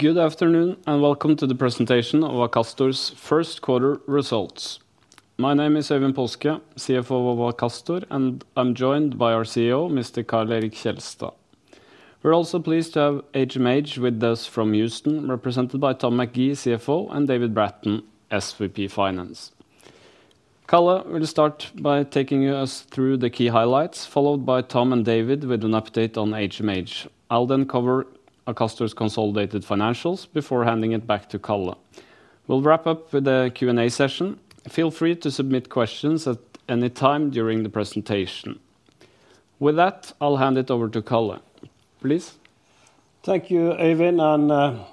Good afternoon and welcome to the presentation of Akastor's first quarter results. My name is Øyvind Paaske, CFO of Akastor and I'm joined by our CEO, Mr. Karl Erik Kjelstad. We're also pleased to have HMH with us from Houston represented by Tom McGee, CFO, and David Bratton, SVP Finance. Karl will start by taking us through the key highlights, followed by Tom and David with an update on HMH, then cover Akastor's consolidated financials before handing it back to Karl. We'll wrap up with a Q and A session. Feel free to submit questions at any time during the presentation. With that I'll hand it over to Karl, please. Thank you Eivind and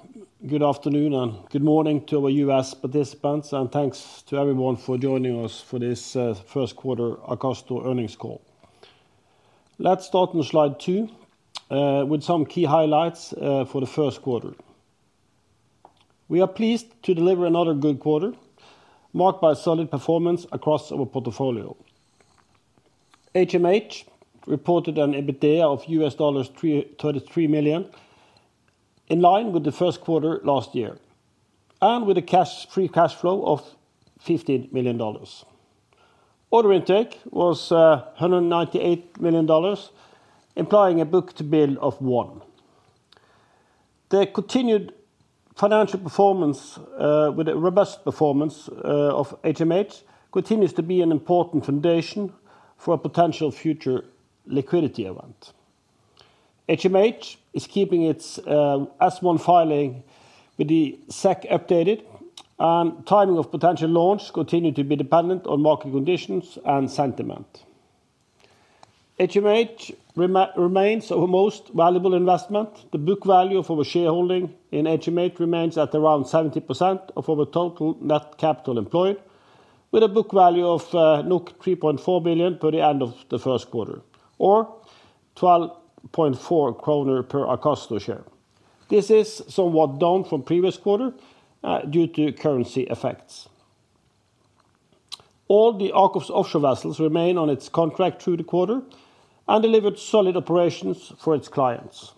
good afternoon and good morning to our U.S. participants and thanks to everyone for joining us for this first quarter Akastor earnings call. Let's start on slide 2 with some key highlights for the first quarter. We are pleased to deliver another good quarter marked by solid performance across our portfolio. HMH reported an EBITDA of $33 million in line with the first quarter last year and with a free cash flow of $15 million. Order intake was $198 million implying a book-to-bill of 1. The continued financial performance with a robust performance of HMH continues to be an important foundation for a potential future liquidity event. HMH is keeping its S-1 filing with the SEC updated and timing of potential launch continue to be dependent on market conditions and sentiment. HMH remains our most valuable investment. The book value of our shareholding in HMH remains at around 70% of our total net capital employed with a book value of 3.4 billion by the end of the first quarter or 12.4 kroner per Akastor share. This is somewhat down from previous quarter due to currency effects. All the AKOFS Offshore vessels remain on its contract through the quarter and delivered solid operations for its clients.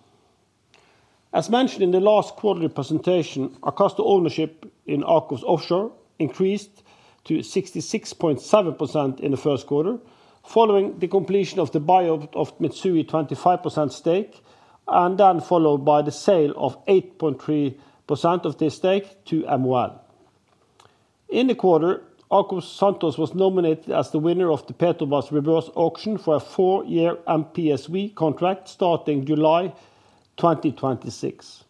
As mentioned in the last quarterly presentation, our cost of ownership in AKOFS Offshore increased to 66.7% in the first quarter following the completion of the buyout of Mitsui 25% stake and then followed by the sale of 8.3% of the stake to Altera in the quarter. AKOFS Santos was nominated as the winner of the Petrobras reverse auction for a four year MPSV contract starting July 2026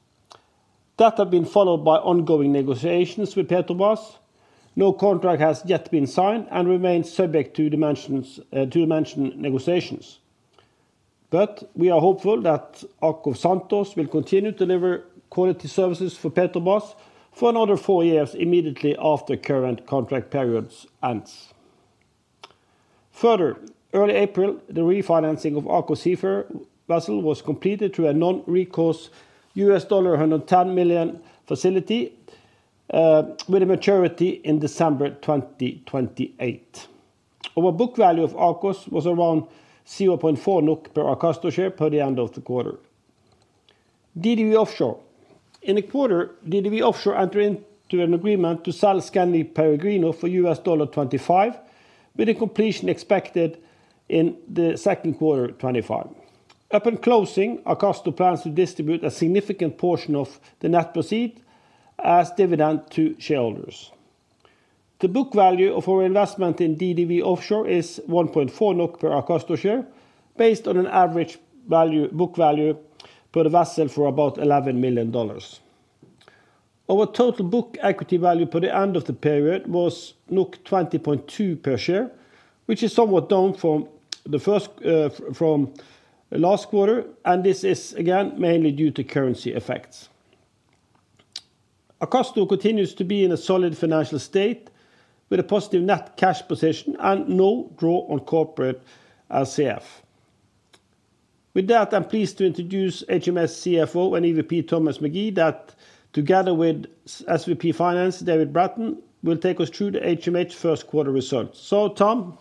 that had been followed by ongoing negotiations with Petrobras. No contract has yet been signed and remains subject to the mentioned negotiations, but we are hopeful that AKOFS Santos will continue to deliver quality services for Petrobras for another four years immediately after the current contract period ends. Further, early April the refinancing of AKOFS Seafarer vessel was completed through a non-recourse $110 million facility with a maturity in December 2028. Our book value of AKOFS was around 0.4 NOK per Akastor share by the end of the quarter. DDV Offshore in the quarter, DDV Offshore entered into an agreement to sell Scandi Peregrino for $25 million with a completion expected in 2Q 2025. Upon closing, Akastor plans to distribute a significant portion of the net proceeds as dividend to shareholders. The book value of our investment in DDV Offshore is 1.4 NOK per Akastor share based on an average book value per the vessel for about $11 million. Our total book equity value for the end of the period was 20.2 per share, which is somewhat down from the first from last quarter. This is again mainly due to currency effects. Akastor continues to be in a solid financial state with a positive net cash position and no draw on corporate RCF. With that, I'm pleased to introduce HMH's CFO and EVP Tom McGee, that together with SVP Finance David Bratton, will take us through the HMH first quarter results. So Tom,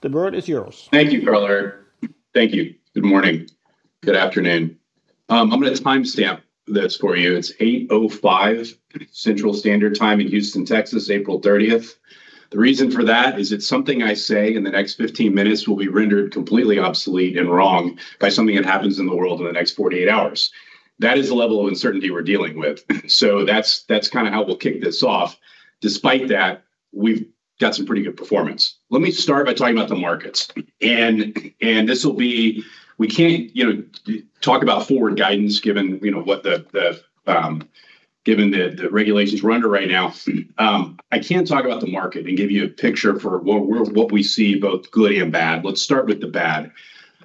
the word is yours. Thank you, Karl Erik. Thank you. Good morning. Good afternoon. I'm going to timestamp this for you. It's 8:05 A.M. Central Standard Time in Houston, Texas April 30th. The reason for that is if something I say in the next 15 minutes will be rendered completely obsolete and wrong by something that happens in the world in the next 48 hours. That is the level of uncertainty we're dealing with. That's kind of how we'll kick this off too. Despite that, we've got some pretty good performance. Let me start by talking about the markets and this will be. We can't talk about forward guidance given what, given the regulations we're under right now, I can't talk about the market and give you a picture for what we see, both good and bad. Let's start with the bad.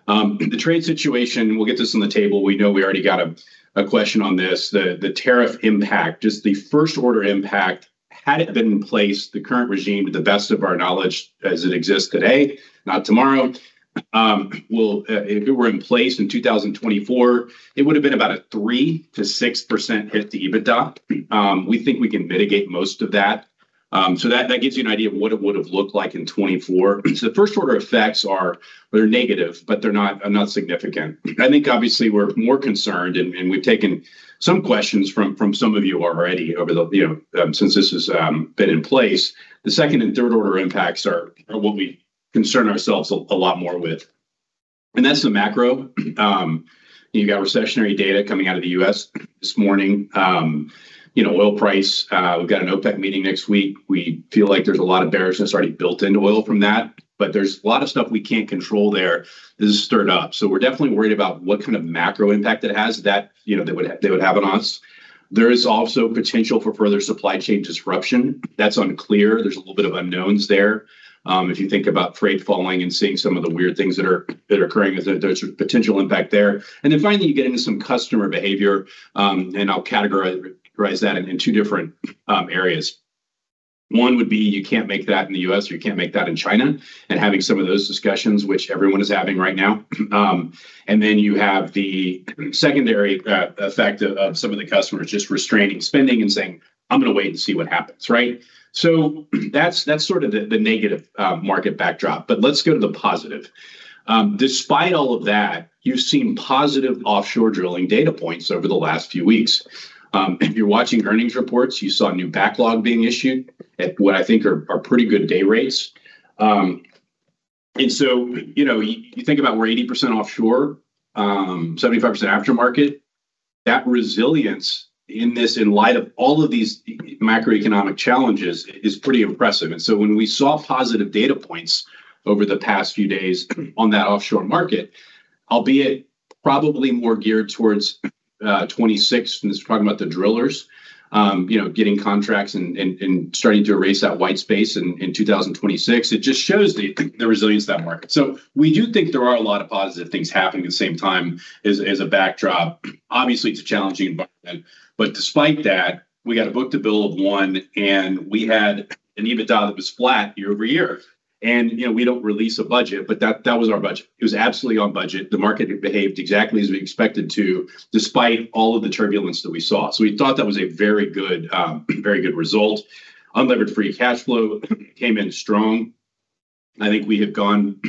The trade situation. We'll get this on the table. We know we already got a question on this. The tariff impact, just the first order impact. Had it been in place, the current regime, to the best of our knowledge, as it exists today, not tomorrow. If it were in place in 2024, it would have been about a 3%-6% hit to EBITDA. We think we can mitigate most of that. That gives you an idea of what it would have looked like in 2024. The first order effects are negative, but they're not, not significant. I think obviously we're more concerned and we've taken some questions from some of you already over the, you know, since this has been in. Third order impacts are what we concern ourselves a lot more with. That's the macro. You got recessionary data coming out of the U.S. this morning. You know, oil price, we've got an OPEC meeting next week. We feel like there's a lot of bearishness already built into oil from that. There's a lot of stuff we can't control there. This is stirred up. We're definitely worried about what kind of macro impact that has, you know, that would, they would have on us. There is also potential for further supply chain disruption. That's unclear. There's a little bit of unknowns there. If you think about freight falling and seeing some of the weird things that are occurring as a potential impact there. Finally, you get into some customer behavior. I'll categorize that in two different areas. One would be you can't make that in the US or you can't make that in China and having some of those discussions which everyone is having right now. You have the secondary effect of some of the customers just restraining spending and saying, I'm going to wait and see what happens. Right. That is sort of the negative market backdrop. Let's go to the positive. Despite all of that, you've seen positive offshore drilling data points over the last few weeks. If you're watching earnings reports, you saw new backlog being issued at what I think are pretty good day rates. You know, you think about we're 80% offshore, 75% aftermarket. That resilience in this, in light of all of these macroeconomic challenges, is pretty impressive. When we saw positive data points over the past few days on that offshore market, albeit probably more geared towards 2026, and it's talking about the drillers getting contracts and starting to erase that white space in 2026, it just shows the resilience of that market. We do think there are a lot of positive things happening at the same time as a backdrop. Obviously it's a challenging environment, but despite that, we got a book-to-bill of one and we had an EBITDA that was flat year over year and, you know, we don't release a budget but that, that was our budget. It was absolutely on budget. The market behaved exactly as we expected to despite all of the turbulence that we saw. We thought that was a very good, very good result. Unlevered free cash flow came in strong. I think we have gone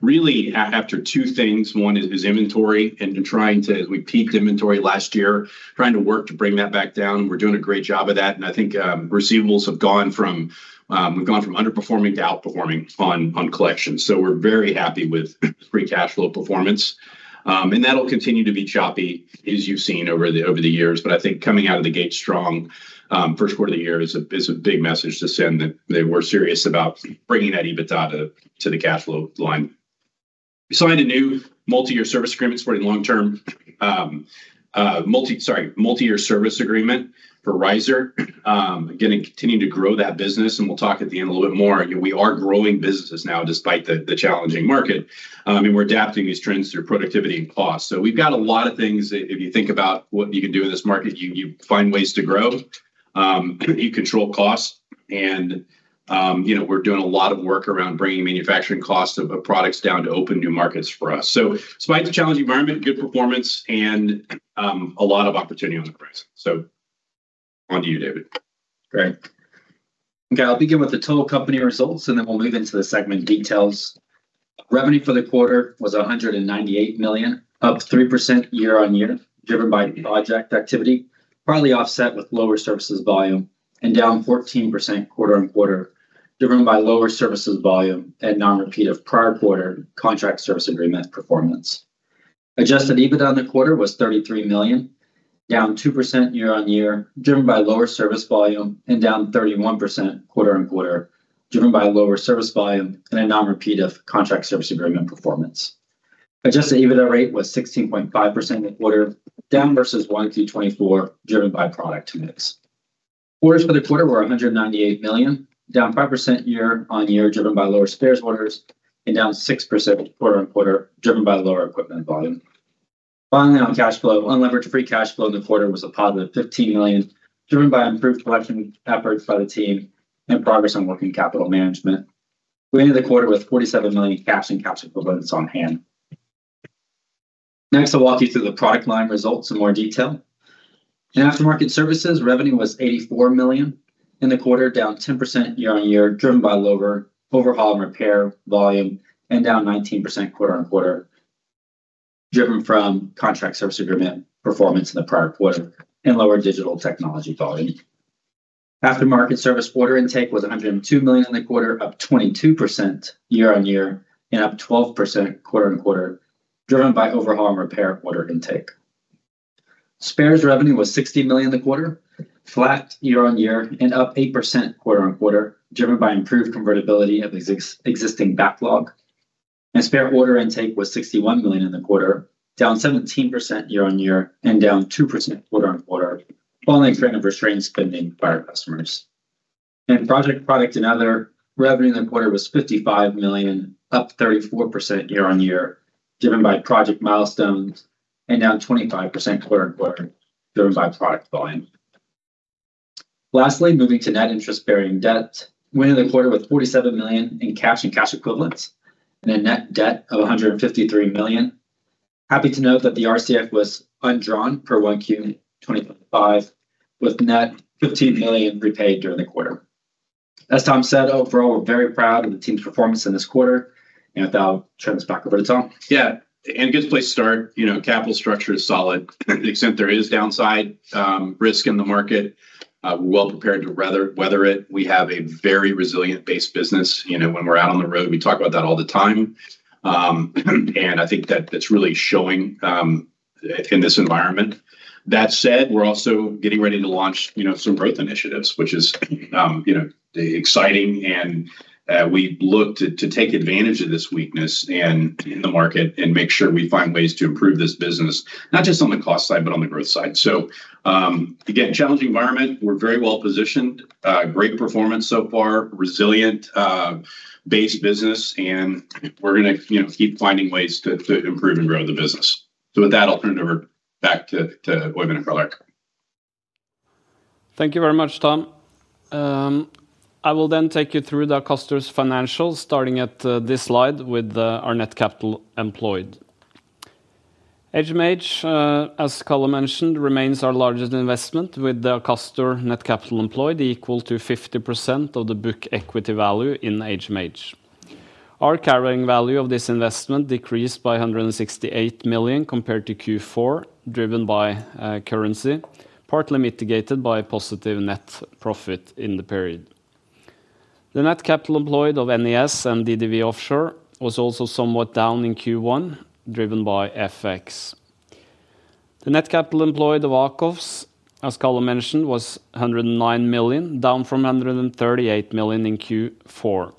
really after two things. One is inventory and trying to, as we peaked inventory last year, trying to bring that back down. We're doing a great job of that and I think receivables have gone from, we've gone from underperforming to outperforming on collection. We are very happy with free cash flow performance and that will continue to be choppy as you have seen over the years. I think coming out of the gate strong first quarter of the year is a big message to send that they were serious about bringing that EBITDA to the cash flow line. We signed a new multi-year service agreement supporting long-term, multi, sorry, multi-year service agreement for Riser Getting, continuing to grow that business and we will talk at the end a little bit more. We are growing businesses now despite the challenging market and we're adapting these trends through productivity and cost. We've got a lot of things, if you think about what you can do in this market, you find ways to grow, you control costs and we're doing a lot of work around bringing manufacturing costs of products down to open new markets for us. Despite the challenging environment, good performance and a lot of opportunity on the price. On to you, David. Great. Okay, I'll begin with the total company results and then we'll move into the segment details. Revenue for the quarter was $198 million, up 3% year on year driven by project activity, partly offset with lower services volume, and down 14% quarter on quarter driven by lower services volume and non-repeat of prior quarter contract. Service agreement performance adjusted EBITDA in the quarter was $33 million, down 2% year on year driven by lower service volume, and down 31% quarter on quarter driven by lower service volume and a non-repeated contract. Service agreement performance adjusted EBITDA rate was 16.5% in the quarter, down versus 2023-2024 driven by product mix. Orders for the quarter were $198 million, down 5% year on year driven by lower spares orders, and down 6% quarter on quarter driven by lower equipment volume. Finally on cash flow, unlevered free cash flow in the quarter was a positive $15 million driven by improved collection efforts by the team and progress on working capital management. We ended the quarter with $47 million. Caps and caps equivalents on hand. Next I'll walk you through the product line. Results in more detail in aftermarket services revenue was $84 million in the quarter, down 10% year on year, driven by lower overhaul and repair volume, and down 19% quarter on quarter, driven from contract service agreement performance in the prior quarter and lower digital technology volume. Aftermarket service order intake was $102 million in the quarter, up 22% year on year and up 12% quarter on quarter, driven by overhaul and repair order intake. Spares revenue was $60 million in the quarter, flat year on year and up 8% quarter on quarter, driven by improved convertibility of existing backlog, and spare order intake was $61 million in the quarter, down 17% year on year and down 2% quarter on quarter. Following restrained spending by our customers and project product and other revenue in the quarter was $55 million, up 34% year on year driven by project milestones and down 25% quarter driven by product volume. Lastly, moving to net interest bearing debt, winning the quarter with $47 million in cash and cash equivalents and a net debt of $153 million. Happy to note that the RCF was undrawn per 1Q2025 with net $15 million repaid during the quarter. As Tom said, overall we're very proud of the team's performance in this quarter and I'll turn this back over to Tom. Yeah, and good place to start. You know, capital structure is solid. To the extent there is downside risk in the market, well prepared to weather it. We have a very resilient base business. You know, when we're out on the road we talk about that all the time and I think that it's really showing in this environment. That said, we're also getting ready to launch, you know, some growth initiatives which is, you know, exciting and we look to take advantage of this weakness in the market and make sure we find ways to improve this business not just on the cost side but on the growth side. Again, challenging environment. We're very well positioned, great performance so far, resilient base business and we're going to keep finding ways to improve and grow the business. With that I'll turn it over back to Øyvind and Karl. Thank you very much Tom. I will then take you through the Akastor financials starting at this slide with our net capital employed. HMH, as Karl mentioned, remains our largest investment with the Akastor net capital employed equal to 50% of the book. Equity value in HMH. Our carrying value of this investment decreased by 168 million compared to Q4 driven by currency partly mitigated by positive net profit in the period. The net capital employed of NES and DDV Offshore was also somewhat down in Q1 driven by FX. The net capital employed of AKOFS, as Karl mentioned, was 109 million down from 138 million in Q4.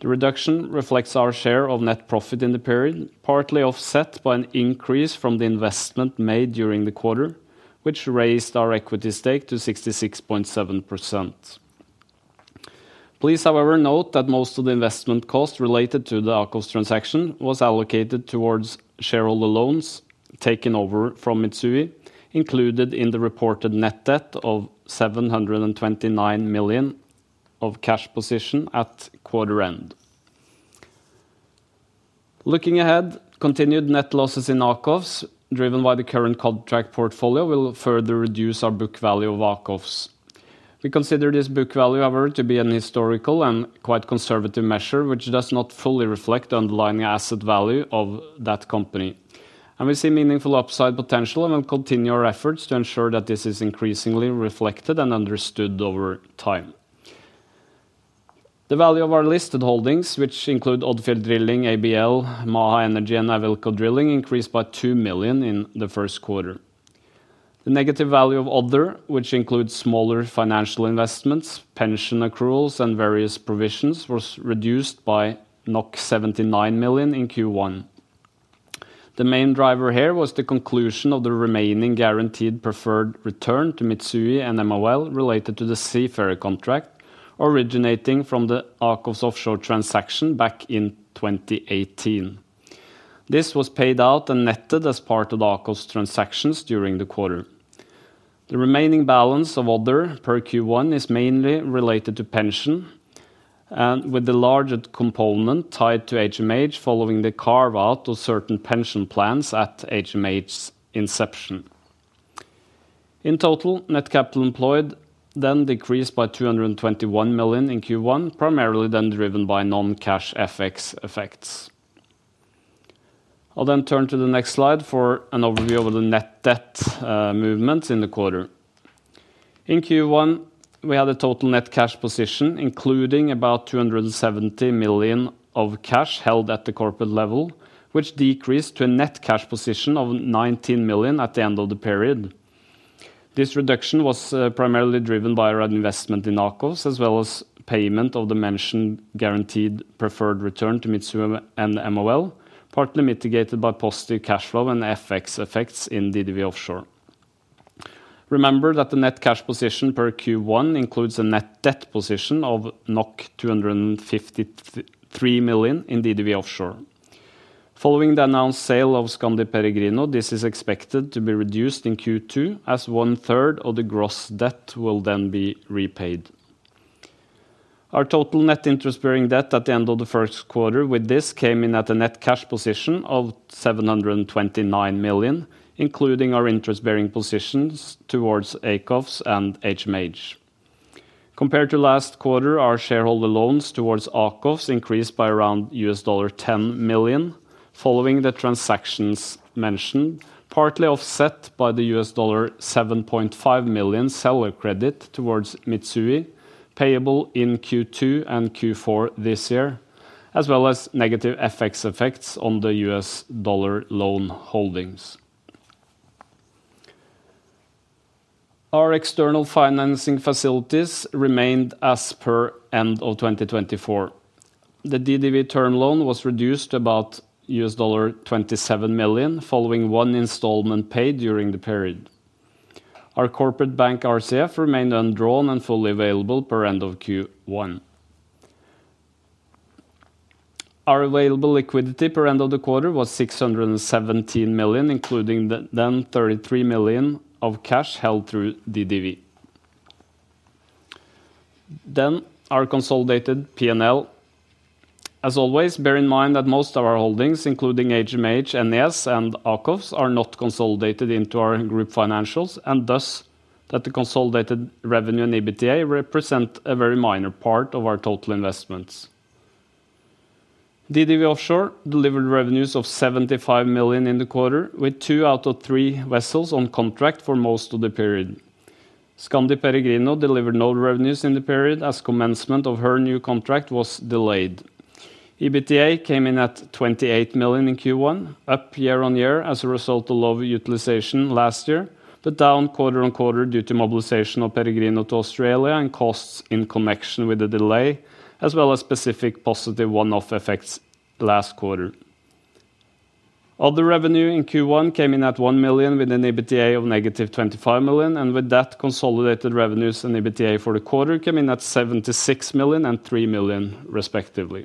The reduction reflects our share of net profit in the period, partly offset by an increase from the investment made during the quarter which raised our equity stake to 66.7%. Please however note that most of the investment cost related to the AKOFS transaction was allocated towards shareholder loans taken over from Mitsui, included in the reported net debt of 729 million of cash position at Q. Looking ahead, continued net losses in AKOFS driven by the current contract portfolio will further reduce our book value of AKOFS. We consider this book value however to be a historical and conservative measure which does not fully reflect the underlying asset value of that company. We see meaningful upside potential and will continue our efforts to ensure that this is increasingly reflected and understood over time. The value of our listed holdings which include Odfjell Drilling, Maha Energy and Nautilus Drilling increased by 2 million in the first quarter. The negative value of other, which includes smaller financial investments, pension accruals, and various provisions, was reduced by 79 million in Q1. The main driver here was the conclusion of the remaining guaranteed preferred return to Mitsui O.S.K. Lines related to the Seafarer contract originating from the AKOFS Offshore transaction back in 2018. This was paid out and netted as part of Akastor's transactions during the quarter. The remaining balance of other per Q1 is mainly related to pension, with the larger component tied to HMH following the carve out of certain pension plans at HMH's inception. In total, net capital employed then decreased by 221 million in Q1, primarily then driven by non-cash FX effects. I'll then turn to the next slide for an overview of the net debt movements in the quarter. In Q1 we had a total net cash position including about 270 million of cash held at the corporate level which decreased to a net cash position of 19 million at the end of the period. This reduction was primarily driven by reinvestment in AKOFS as well as payment of the mentioned guaranteed preferred return to Mitsui and MOL, partly mitigated by positive cash flow and FX effects in DDV Offshore. Remember that the net cash position per Q1 includes a net debt position of 253 million in DDV Offshore following the announced sale of Scandi Peregrino. This is expected to be reduced in Q2 as one-third of the gross debt will then be repaid. Our total net interest bearing debt at the end of the first quarter with this came in at a net cash position of 729 million including our interest bearing positions towards AKOFS and HMH. Compared to last quarter our shareholder loans towards AKOFS increased by around $10 million following the transactions mentioned, partly offset by the $7.5 million seller credit towards Mitsui payable in Q2 and Q4 this year as well as negative FX effects on the US dollar loan holdings. Our external financing facilities remained as per end of 2024. The DDV term loan was reduced to about NOK 27 million following one installment paid during the period. Our corporate bank RCF remained undrawn and fully available per end of Q1. Our available liquidity per end of the quarter was 617 million including then 33 million of cash held through DDV then our consolidated P&L. As always, bear in mind that most of our holdings, including HMH, NAS, and AKOFS, are not consolidated into our group financials, and thus the consolidated revenue and EBITDA represent a very minor part of our total investments. DDV Offshore delivered revenues of $75 million in the quarter with two out of three vessels on contract for most of the period. Scandi Peregrino delivered no revenues in the period as commencement of her new contract was delayed. EBITDA came in at $28 million in Q1, up year on year as a result of low utilization last year. The down quarter on quarter due to mobilization of Peregrino to Australia and costs in connection with the delay as well as specific positive one-off effects last quarter. Other revenue in Q1 came in at 1 million with an EBITDA of negative 25 million, and with that consolidated revenues and EBITDA for the quarter came in at 76 million and 3 million respectively.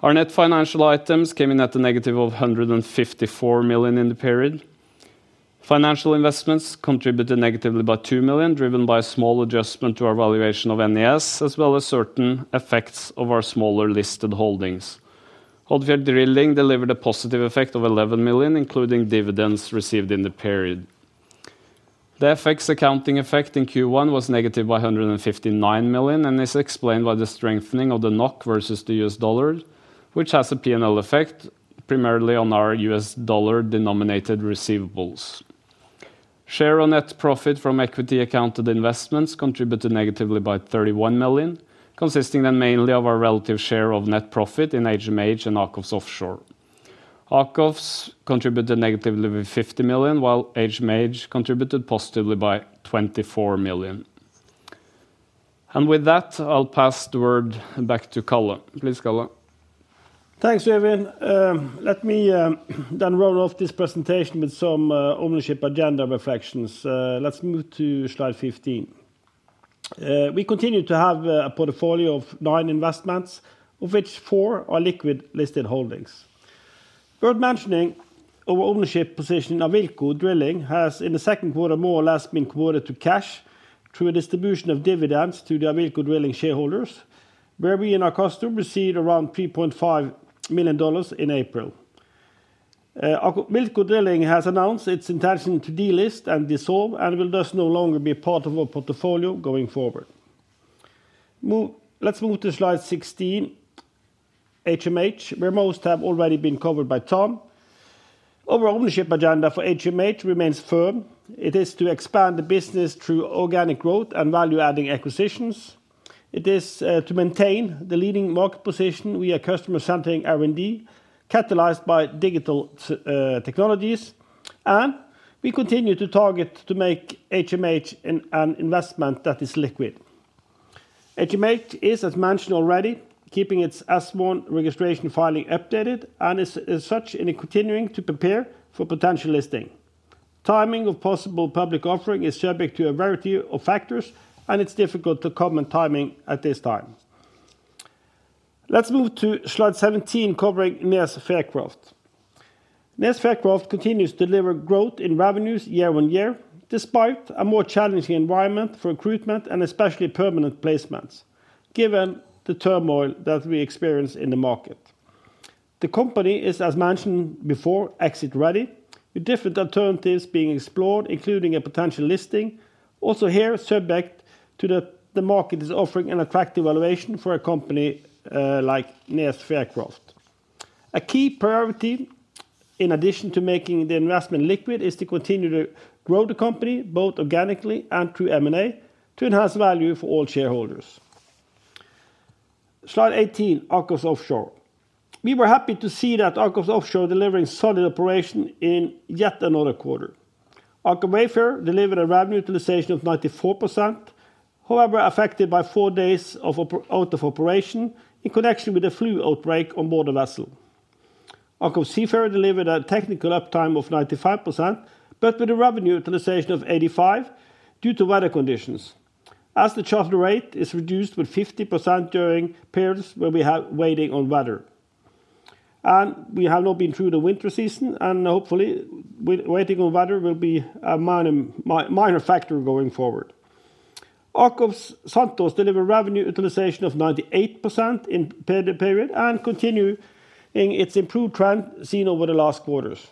Our net financial items came in at negative 154 million in the period. Financial investments contributed negatively by 2 million driven by a small adjustment to our valuation of NAS as well as certain effects of our smaller listed holdings. Odfjell Drilling delivered a positive effect of 11 million including dividends received in the period. The FX accounting effect in Q1 was negative 159 million and is explained by the strengthening of the NOK versus the US dollar which has a P&L effect primarily on our US dollar denominated receivables. Share on net profit from equity accounted investments contributed negatively by 31 million, consisting then mainly of our relative share of net profit in HMH and AKOFS Offshore. AKOFS contributed negatively with 50 million while HMH contributed positively by 24 million. With that I'll pass the word back to Karl Erik. Please Karl Erik. Thanks Øyvind. Let me then roll off this presentation with some ownership agenda reflections. Let's move to Slide 15. We continue to have a portfolio of nine investments of which four are liquid listed holdings worth mentioning. Our ownership position in Avilco Drilling has in the second quarter more or less been converted to cash through a distribution of dividends to the Avilco Drilling shareholders where we and our customers received around $3.5 million in April. Milk Co Drilling has announced its intention to delist and dissolve and will thus no longer be part of our portfolio going forward. Let's move to Slide 16. HMH, where most have already been covered by Tom, overall ownership agenda for HMH remains firm. It is to expand the business through organic growth and value adding acquisitions. It is to maintain the leading market position via customer centering R&D catalyzed by digital technologies and we continue to target to make HMH an investment that is liquid. HMH is, as mentioned already, keeping its S-1 registration filing updated and is as such continuing to prepare for potential listing. Timing of possible public offering is subject to a variety of factors and it's difficult to comment timing at this time. Let's move to slide 17 covering NES Fircroft. NES Fircroft continues to deliver growth in revenues year on year despite a more challenging environment for recruitment and especially permanent placements. Given the turmoil that we experience in the market, the company is, as mentioned before, exit ready with different alternatives being explored including a potential listing, also here subject to that the market is offering an attractive valuation for a company like NES Fircroft. A key priority in addition to making the investment liquid is to continue to grow the company both organically and through M&A to enhance value for all shareholders. Slide 18, AKOFS Offshore, we were happy to see that AKOFS Offshore delivering solid operation in yet another quarter. AKOFS Seafarer delivered a revenue utilization of 94%. However, affected by four days out of operation in connection with the flu outbreak on board the vessel, AKOFS Seafarer delivered a technical uptime of 95% but with a revenue utilization of 85% due to weather conditions as the charter rate is reduced by 50% during periods where we have waiting on weather, and we have not been through the winter season, and hopefully waiting on weather will be a minor factor going forward. AKOFS Santos delivered revenue utilization of 98% in period and continued its improved trend seen over the last quarters.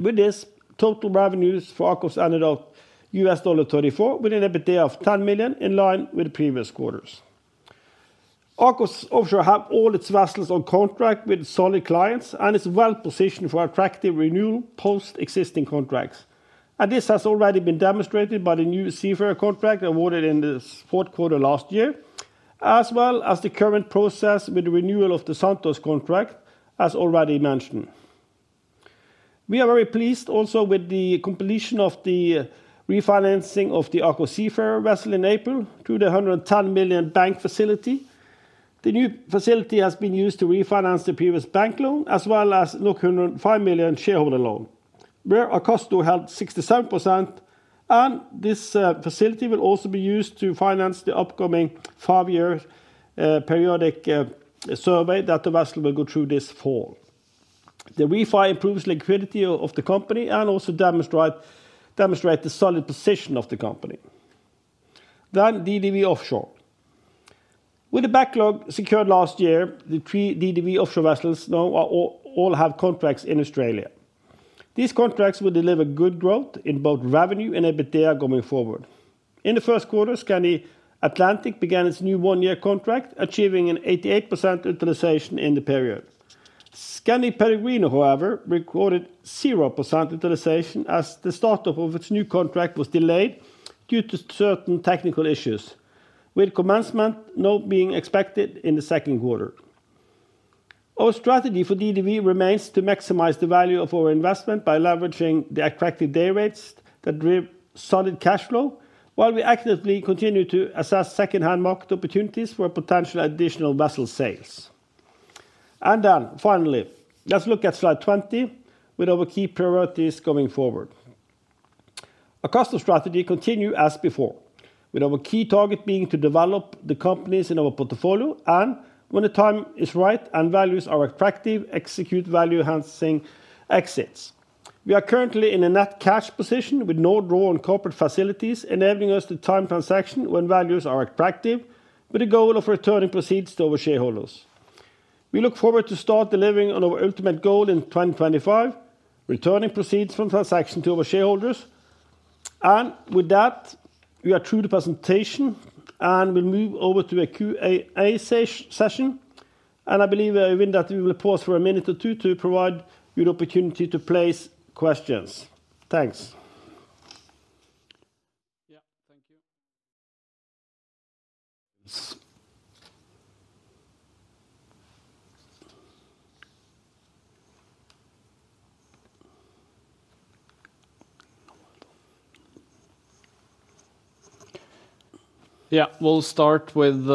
With this, total revenues for AKOFS ended up 34 with an EBITDA of $10 million in line with previous quarters. AKOFS Offshore have all its vessels on contract with solid clients and is well positioned for attractive renewal post existing contracts, and this has already been demonstrated by the new Seafarer contract awarded in the fourth quarter last year as well as the current process with the renewal of the Santos contract. As already mentioned, we are very pleased also with the completion of the refinancing of the AKOFS Seafarer vessel in April, the 110 million bank facility. The new facility has been used to refinance the previous bank loan as well as the 105 million shareholder loan where Akastor held 67%, and this facility will also be used to finance the upcoming five year periodic survey that the vessel will go through this fall. The refi improves liquidity of the company and also demonstrates the solid position of the company. Then DDV Offshore, with the backlog secured last year, the three DDV Offshore vessels now all have contracts in Australia. These contracts will deliver good growth in both revenue and EBITDA going forward. In the first quarter, Scandi Atlantic began its new one year contract, achieving an 88% utilization in the period. Scandi Peregrino, however, recorded 0% utilization as the startup of its new contract was delayed due to certain technical issues, with commencement not being expected in the second quarter. Our strategy for DDV remains to maximize the value of our investment by leveraging the attractive day rates that drive solid cash flow while we actively continue to assess second hand market opportunities for potential additional vessel sales. Finally, let's look at slide 20 with our key priorities going forward. Our custom strategy continues as before with our key target being to develop the companies in our portfolio and when the time is right and values are attractive, execute value enhancing exits. We are currently in a net cash position with no draw on corporate facilities enabling us to time transaction when values are attractive. With a goal of returning proceeds to our shareholders, we look forward to start delivering on our ultimate goal in 2025 returning proceeds from transaction to our shareholders and with that we are through the presentation and we will move over to a QA session and I believe that we will pause for a minute or two to provide you the opportunity to place Questions. Thanks. Yeah, thank you. Yeah. We'll start with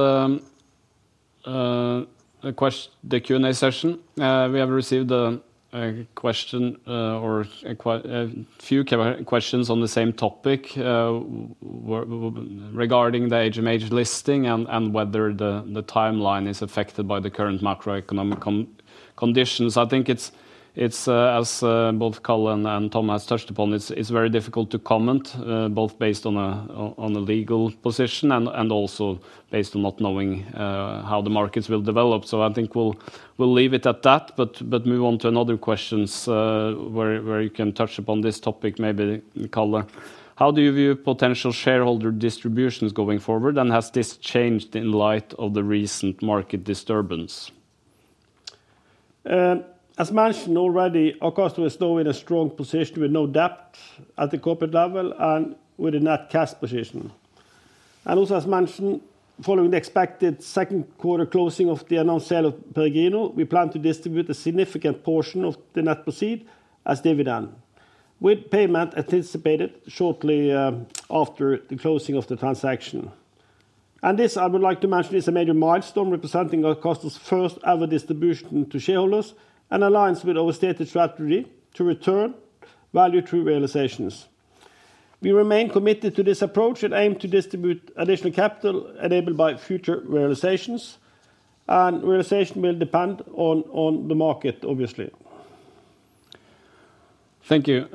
the Q and A session. We have received a question or a few questions on the same topic regarding the HMH listing and whether the timeline is affected by the current macroeconomic conditions. I think as both Colin and Tom has touched upon, it's very difficult to comment, both based on a legal position and also based on not knowing how the markets will develop. I think we'll leave it at that. Move on to another question where you can touch upon this topic, maybe in color. How do you view potential shareholder distributions going forward and has this changed in light of the recent market disturbance? As mentioned already, our customers though in a strong position with no debt at the corporate level and with a net cash position. Also as mentioned, following the expected second quarter closing of the announced sale of Per Guino, we plan to distribute a significant portion of the net proceed as dividend with payment anticipated shortly after the closing of the transaction. This I would like to mention is a major milestone representing Akastor's first ever distribution to shareholders and aligns with our stated strategy to return value to realizations. We remain committed to this approach and aim to distribute additional capital enabled by future realizations and realization will depend on the market, obviously. Thank you.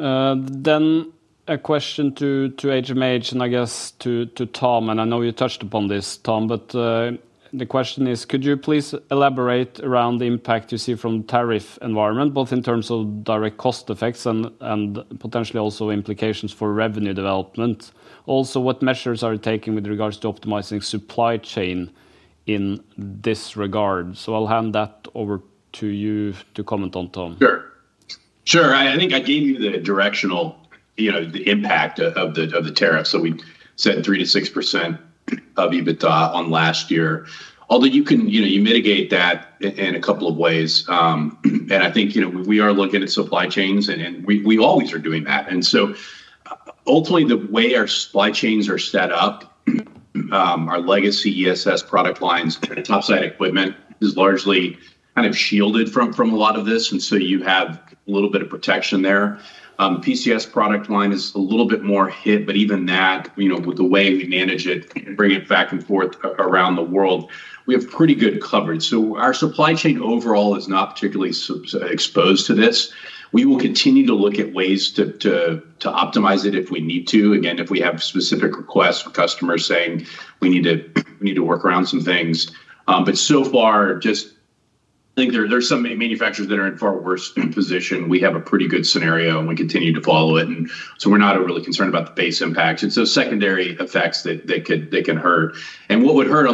A question to HMH and I guess to Tom. I know you touched upon this, Tom, but the question is, could you please elaborate around the impact you see from tariff environment both in terms of direct cost effects and potentially also implications for revenue development. Also what measures are taking with regards to optimizing supply chain in this regard. I will hand that over to you to comment on, Tom. Sure. I think I gave you the directional impact of the tariffs that we set 3-6% of EBITDA on last year, although you can mitigate that in a couple of ways. I think we are looking at supply chains and we always are doing that. Ultimately, the way our supply chains are set up, our legacy ESS product lines, topside equipment is largely kind of shielded from a lot of this. You have a little bit of protection there. PCs product line is a little bit more hit. Even that, you know, with the way we manage it, bring it back and forth around the world, we have pretty good coverage. Our supply chain overall is not particularly exposed to this. We will continue to look at ways to optimize it if we need to. Again, if we have specific requests, customers saying we need to work around some things. There are some manufacturers that are in far worse position. We have a pretty good scenario and we continue to follow it. We're not really concerned about the base impacts and secondary effects that can hurt. What would hurt,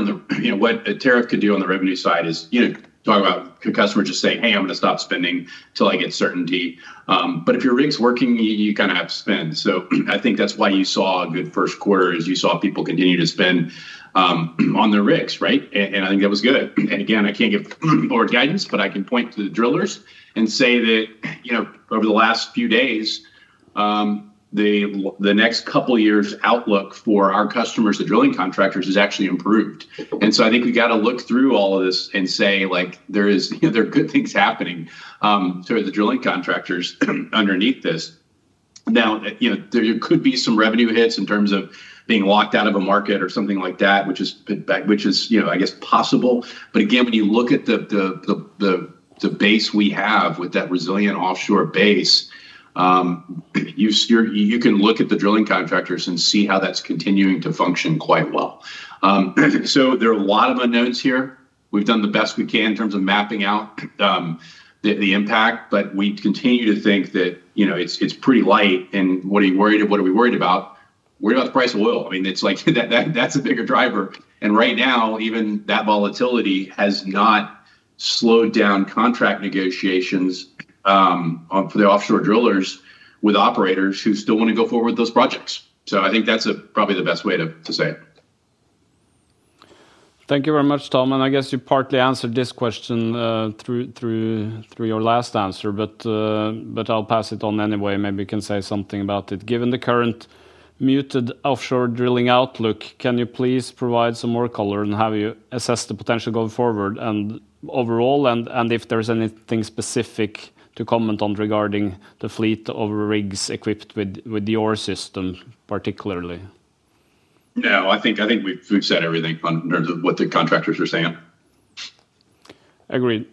what a tariff could do on the revenue side is talk about customer, just say, hey, I'm going to stop spending till I get certainty. If your rig's working, you kind of have to spend. I think that's why you saw a good first quarter as you saw people continue to spend on their rigs. I think that was good. I can't give forward guidance, but I can point to the drillers and say that, you know, over the last few days, the next couple of years outlook for our customers, the drilling contractors, has actually improved. I think we've got to look through all of this and say like there is, there are good things happen. The drilling contractors underneath this now, you know, there could be some revenue hits in terms of being locked out of a market or something like that, which is, which is, you know, I guess possible. Again, when you look at the base we have with that resilient offshore base, you can look at the drilling contractors and see how that's continuing to function quite well. There are a lot of unknowns here. We've done the best we can in terms of mapping out the impact, but we continue to think that, you know, it's pretty light and what are you worried of? What are we worried about? We're about the price of oil. I mean, it's like that's a bigger driver. Right now even that volatility has not slowed down contract negotiations for the offshore drillers with operators who still want to go forward with those projects. I think that's probably the best way to say it. Thank you very much, Tom. I guess you partly answered this question through your last answer, but I'll pass it on anyway. Maybe you can say something about it. Given the current muted offshore drilling outlook, can you please provide some more color on how you assess the potential going forward overall and if there's anything specific to comment on regarding the fleet of rigs equipped with the ORE system particularly. No, I think we've said everything in terms of what the contractors are saying. Agreed.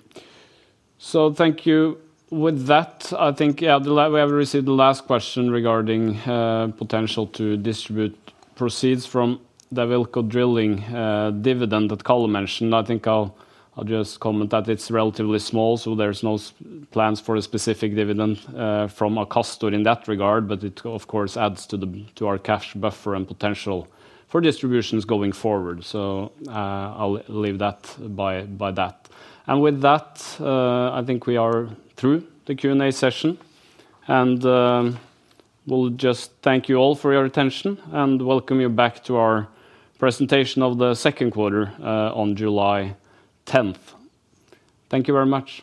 So thank you. With that, I think we have received the last question regarding potential to distribute proceeds from the Wilco drilling dividend that Karl mentioned. I think I'll just comment that it's relatively small, so there's no plans for a specific dividend from Akastor in that regard, but it of course adds to our cash buffer and potential for distributions going forward. I'll leave that by that. With that, I think we are through the Q and A session and we'll just thank you all for your attention and welcome you back to our presentation of the second quarter on July 10th. Thank you very much.